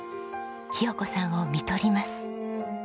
清子さんをみとります。